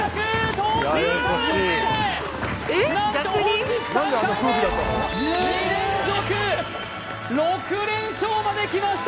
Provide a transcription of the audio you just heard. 豆鼓炒め何と本日３回目２連続６連勝まできました